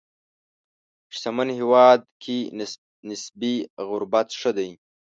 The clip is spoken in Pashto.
شتمن هېواد کې نسبي غربت ښه دی.